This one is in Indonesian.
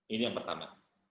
ini yang pertama